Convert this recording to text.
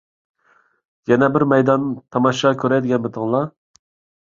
يەنە بىر مەيدان تاماشا كۆرەي دېگەنمىتىڭلار؟